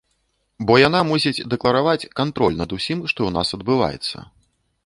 Бо яна мусіць дэклараваць кантроль над усім, што ў нас адбываецца.